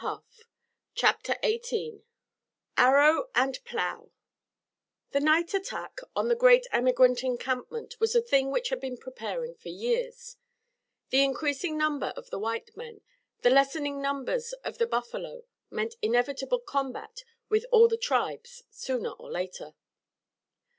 CHAPTER XVIII ARROW AND PLOW The night attack on the great emigrant encampment was a thing which had been preparing for years. The increasing number of the white men, the lessening numbers of the buffalo, meant inevitable combat with all the tribes sooner or later.